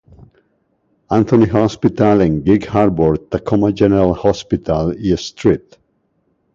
Anthony Hospital en Gig Harbor, Tacoma General Hospital y St.